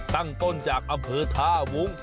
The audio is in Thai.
ตั้งต้นจากอำเภอท่าวุ้ง